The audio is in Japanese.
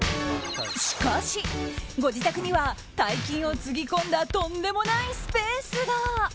しかし、ご自宅には大金をつぎ込んだとんでもないスペースが。